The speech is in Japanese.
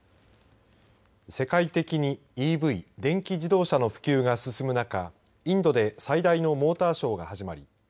世界的にＥＶ電気自動車の普及が進む中インドで最大のモーターショーが始まり